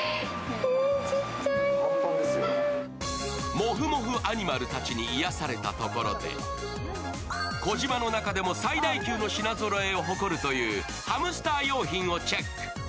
もふもふアニマルたちに癒されたところでコジマでも最大級の品ぞろえを誇るというハムスター用品をチェック。